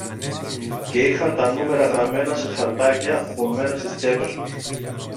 και είχαν τα νούμερα γραμμένα σε χαρτάκια χωμένα στις τσέπες τους